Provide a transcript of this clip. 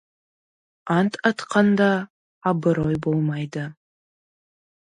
Ант атқанда абырой болмайды.